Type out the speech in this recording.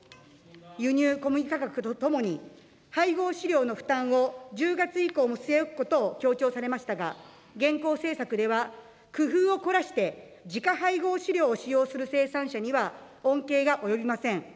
輸入小麦価格とともに、配合飼料の負担を１０月以降も据え置くことを強調されましたが、現行政策では工夫を凝らして、自家配合飼料を使用する生産者には恩恵が及びません。